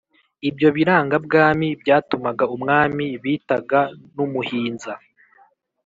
ibyo birangabwami byatumaga umwami (bitaga n'umuhinza)